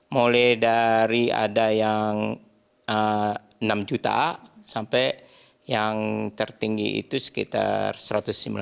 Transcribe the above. mulai dari ada yang enam juta sampai yang tertinggi itu sekitar